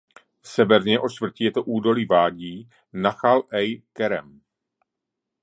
Severně od čtvrti je to údolí vádí Nachal Ejn Kerem.